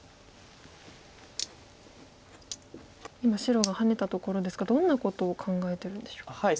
今白がハネたところですがどんなことを考えてるんでしょう？